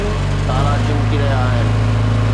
تارا چمڪي رهيا آهن